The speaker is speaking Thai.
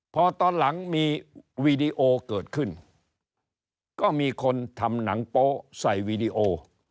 พอตอนหลังมีวีดีโอเกิดขึ้นก็มีคนทำหนังโป๊ใส่วีดีโอ